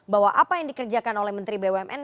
bahwa apa yang dikerjakan oleh menteri bumn